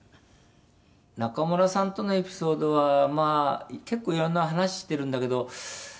「中村さんとのエピソードはまあ結構いろんな話知ってるんだけど」